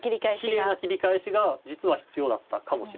きれいな切り返しが実は必要だったかもしれない。